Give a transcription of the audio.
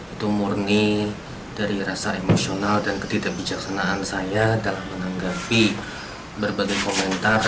itu murni dari rasa emosional dan ketidakbijaksanaan saya dalam menanggapi berbagai komentar